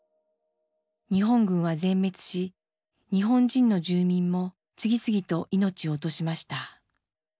日本軍は全滅し日本人の住民も次々と命を落としました。